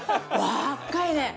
若いね！